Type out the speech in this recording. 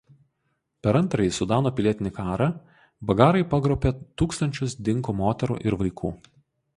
Per Antrąjį Sudano pilietinį karą bagarai pagrobė tūkstančius dinkų moterų ir vaikų.